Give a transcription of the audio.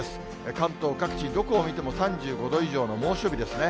関東各地、どこを見ても３５度以上の猛暑日ですね。